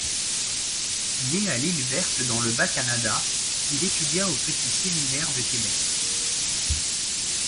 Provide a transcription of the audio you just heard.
Né à L'Isle-Verte dans le Bas-Canada, il étudia au Petit Séminaire de Québec.